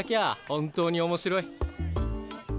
本当に面白い。